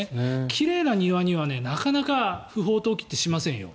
奇麗な庭には、なかなか不法投棄ってしませんよ。